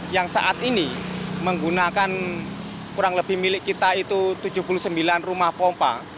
yang saat ini menggunakan kurang lebih milik kita itu tujuh puluh sembilan rumah pompa